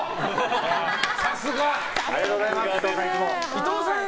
伊藤さん！